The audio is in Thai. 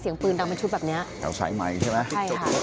เสียงปืนรัวเป็นชุดแบบเนี้ยเขาใส่ใหม่ใช่ไหมใช่ค่ะ